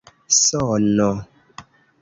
sono